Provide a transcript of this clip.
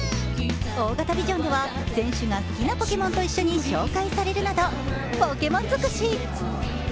大型ビジョンでは選手が好きなポケモンと一緒に紹介されるなどポケモン尽くし。